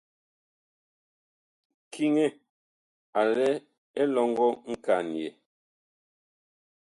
Kiŋɛ a lɛ elɔŋgɔ nkanyɛɛ.